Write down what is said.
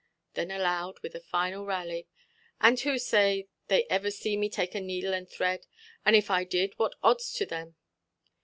Then aloud, with a final rally— "And who say they iver see me take a needle and thread? And if I did, what odds to them"?